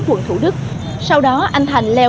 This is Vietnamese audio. quận thủ đức sau đó anh thành leo